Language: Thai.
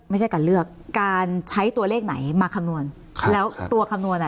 ไม่ใช่การเลือกการใช้ตัวเลขไหนมาคำนวณครับแล้วตัวคำนวณอ่ะ